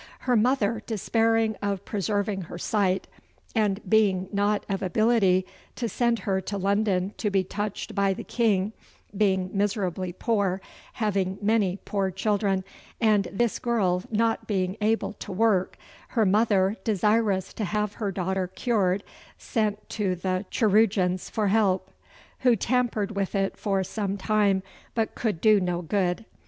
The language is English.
Her mother, despairing of preserving her sight, and being not of ability to send her to London to be touched by the king, being miserably poor, having many poor children, and this girl not being able to work, her mother, desirous to have her daughter cured, sent to the chirurgeons for help, who tampered with it for some time, but could do no good.